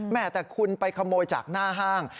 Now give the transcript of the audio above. แต่คุณไปขโมยจากหน้าห้าง